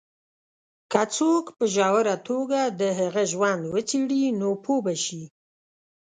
که څوک په ژوره توګه د هغه ژوند وڅېـړي، نو پوه به شي.